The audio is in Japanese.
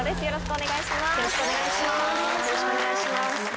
よろしくお願いします。